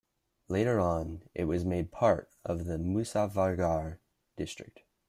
Later on, it was made part of the Muzaffargarh District.